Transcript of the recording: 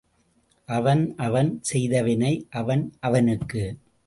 அவன் அவன் செய்த வினை அவன் அவனுக்கு.